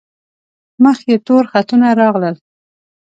مخ یې تور خطونه راغلل.